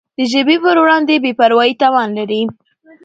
د ژبي پر وړاندي بي پروایي تاوان لري.